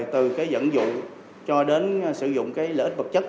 từ dẫn dụ cho đến sử dụng lợi ích vật chất